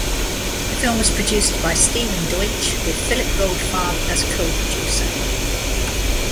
The film was produced by Stephen Deutsch, with Phillip Goldfarb as co-producer.